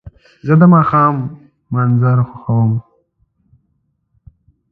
زه د ماښام منظر خوښوم.